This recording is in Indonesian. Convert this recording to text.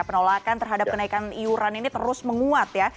penolakan terhadap kenaikan iuran ini terus menguat ya